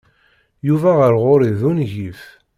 Yuba ɣer ɣur-i d ungif.